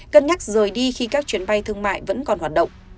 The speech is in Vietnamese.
cân nhắc rời đi khi các chuyến bay thương mại vẫn còn hoạt động